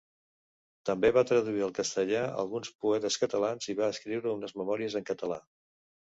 També va traduir al castellà alguns poetes catalans i va escriure unes memòries en català.